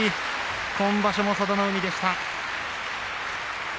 今場所も佐田の海でした。